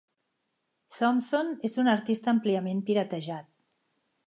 Thompson és un artista àmpliament piratejat.